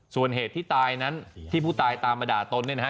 ส่วนเหตุที่ตายนั้นที่ผู้ตายตามมาด่าตนเนี่ยนะฮะ